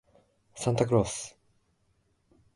サンタクロース